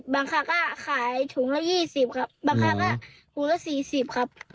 บางครั้งก็ขายถุงละ๒๐บาท